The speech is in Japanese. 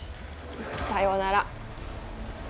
さよなら。